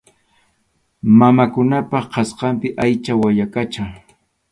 Mamakunapa qhasqunpi aycha wayaqacha.